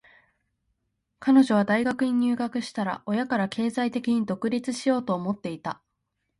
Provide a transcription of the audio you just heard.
彼女は大学に入学したら、親から経済的に独立しようと思っていた。